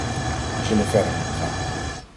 We zullen verder moeten gaan.